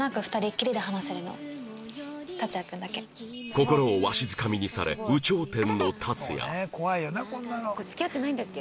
心をわしづかみにされ付き合ってないんだっけ？